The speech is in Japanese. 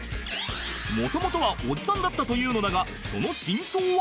元々はおじさんだったというのだがその真相は？